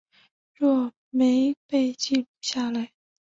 若没被记录下来